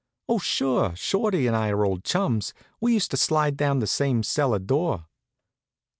Oh, sure, Shorty and I are old chums. We used to slide down the same cellar door."